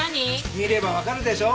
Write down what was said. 見ればわかるでしょ。